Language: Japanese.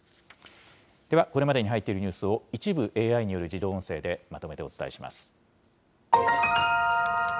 ではこれまでに入っているニュースを一部ＡＩによる自動音声でまとめてお伝えします。